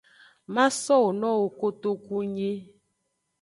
Ma sowo nowo kotunyi.